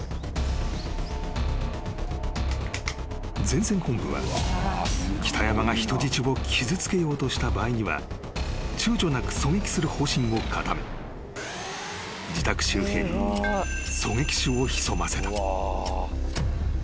［前線本部は北山が人質を傷つけようとした場合にはちゅうちょなく狙撃する方針を固め自宅周辺に狙撃手を潜ませた］